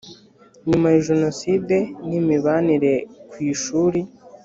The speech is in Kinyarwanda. nyuma ya jenoside n imibanire ku ishuri